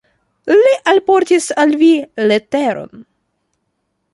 Li alportis al vi leteron.